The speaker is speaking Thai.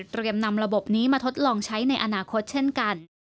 นำระบบนี้มาทดลองใช้ในอนาคตเช่นกัน